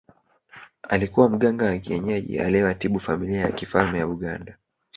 Alikuwa mganga wa kienyeji aliyewatibu familia ya kifalme ya Buganda